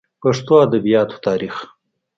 پښتو ادبياتو تاريخ